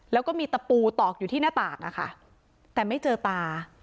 แล้วก็มีตะปูตอกอยู่ที่หน้าต่างอะค่ะแต่ไม่เจอตา